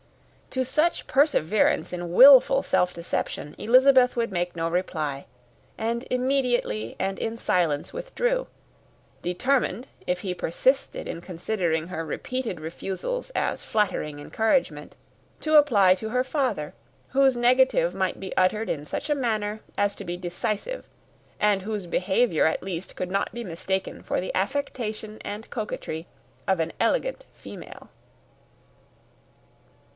To such perseverance in wilful self deception Elizabeth would make no reply, and immediately and in silence withdrew; determined, that if he persisted in considering her repeated refusals as flattering encouragement, to apply to her father, whose negative might be uttered in such a manner as must be decisive, and whose behaviour at least could not be mistaken for the affectation and coquetry of an elegant female.